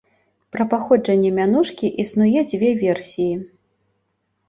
Пра паходжанне мянушкі існуе дзве версіі.